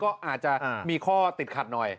ก็อาจจะมีข้อติดขัดหน่อย